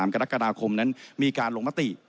กรกฎาคมนั้นมีการลงมติ